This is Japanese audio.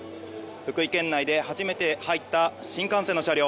福井県内で初めて入った新幹線の車両